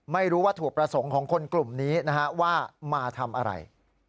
ไม่รู้ว่าถูกประสงค์ของคนกลุ่มนี้นะฮะว่ามาทำอะไร